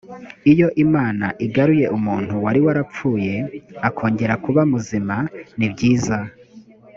iyo imana igaruye umuntu wari warapfuye akongera kuba muzima nibyiza